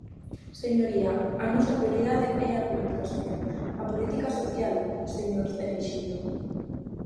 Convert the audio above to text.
Señoría, a nosa prioridade é a política social, a política social, señor Cereixido.